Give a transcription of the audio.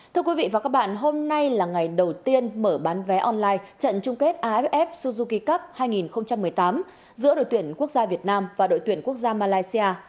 thưa quý vị và các bạn hôm nay là ngày đầu tiên mở bán vé online trận chung kết aff suzuki cup hai nghìn một mươi tám giữa đội tuyển quốc gia việt nam và đội tuyển quốc gia malaysia